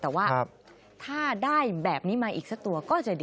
แต่ว่าถ้าได้แบบนี้มาอีกสักตัวก็จะดี